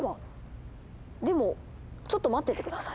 でもちょっと待ってて下さい。